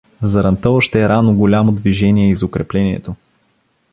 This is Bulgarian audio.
Заранта още рано голямо движение из укреплението.